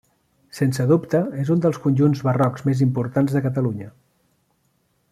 Sense dubte és un dels conjunts barrocs més importants de Catalunya.